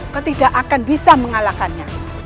kau tidak akan bisa mengalahkannya